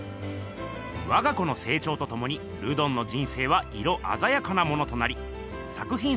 わが子のせいちょうとともにルドンの人生は色あざやかなものとなり作ひん